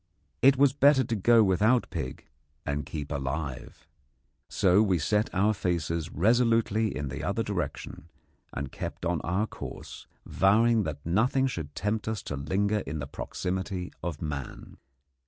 It was better to go without pig and keep alive. So we set our faces resolutely in the other direction, and kept on our course, vowing that nothing should tempt us to linger in the proximity of man.